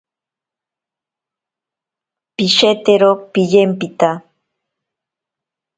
Pishetero piyempita.